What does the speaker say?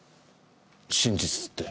真実って？